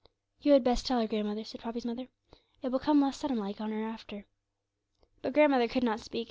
'You had best tell her, grandmother,' said Poppy's mother; 'it will come less sudden like on her after.' But grandmother could not speak.